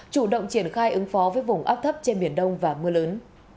chủ động triển khai ứng phó với vùng áp thấp trên biển đông và mưa lớn